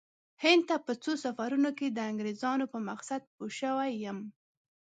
هند ته په څو سفرونو کې د انګریزانو په مقصد پوه شوی یم.